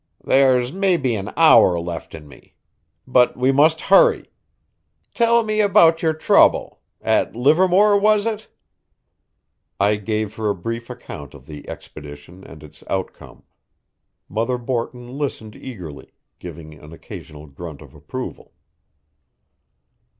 "There's maybe an hour left in me. But we must hurry. Tell me about your trouble at Livermore, was it?" I gave her a brief account of the expedition and its outcome. Mother Borton listened eagerly, giving an occasional grunt of approval.